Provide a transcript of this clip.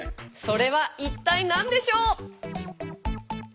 それは一体何でしょう？